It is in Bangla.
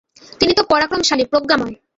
তিনি তো পরাক্রমশালী, প্রজ্ঞাময়।